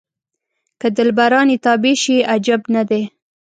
که دلبران یې تابع شي عجب نه دی.